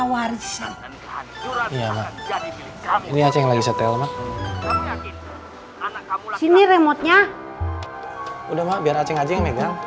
udah pak biar acing aja yang megang